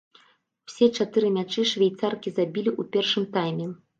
Усе чатыры мячы швейцаркі забілі ў першым тайме.